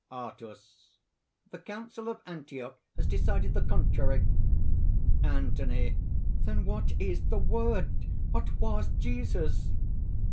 ARIUS. "The Council of Antioch has decided the contrary." ANTHONY. "Then what is the Word?... What was Jesus?"